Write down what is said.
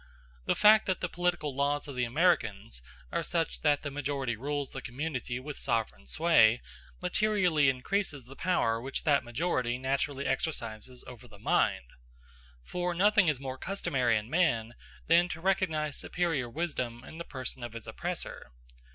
The fact that the political laws of the Americans are such that the majority rules the community with sovereign sway, materially increases the power which that majority naturally exercises over the mind. For nothing is more customary in man than to recognize superior wisdom in the person of his oppressor.